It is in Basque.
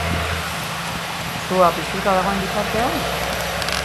Sua piztuta dagoen bitartean?